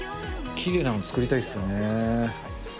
きれいなの、作りたいですよね。